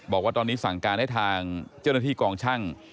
บอกว่าตอนนี้สั่งการให้ทางเจ้าหน้าที่กองช่าง